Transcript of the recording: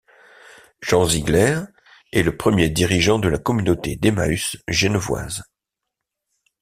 Jean Ziegler est le premier dirigeant de la communauté d'Emmaüs genevoise.